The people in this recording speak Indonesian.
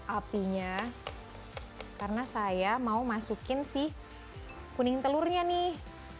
apinya karena saya mau masukin si kuning telurnya nih